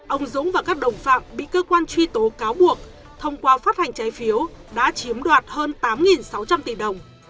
ông dũng và các đồng phạm bị cơ quan truy tố cáo buộc thông qua phát hành trái phiếu đã chiếm đoạt hơn tám sáu trăm linh tỷ đồng